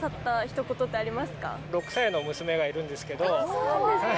そうなんですね。